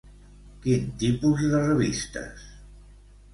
Quin tipus de revistes?